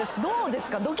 どうですか？